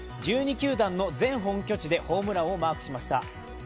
１２球団の全本拠地でホームランをマークしました。